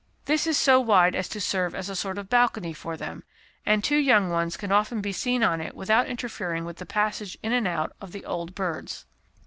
This is so wide as to serve as a sort of balcony for them, and two young ones can often be seen on it without interfering with the passage in and out of the old birds.